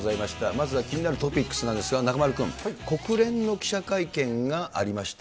まずは気になるトピックスなんですが、中丸君、国連の記者会見がありました。